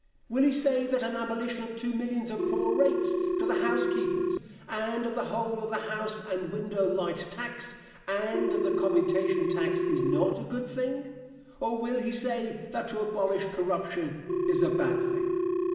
Will he say that an abolition of two millions of poor rates to the house keepers, and of the whole of the house and window light tax and of the commutation tax is not a good thing? Or will he say that to abolish corruption is a bad thing?